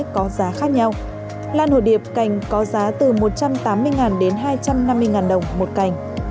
trậu lan hồ điệp có giá từ một trăm tám mươi đến hai trăm năm mươi đồng một cành